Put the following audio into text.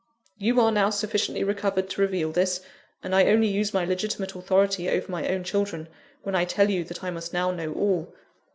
You are now sufficiently recovered to reveal this; and I only use my legitimate authority over my own children, when I tell you that I must now know all.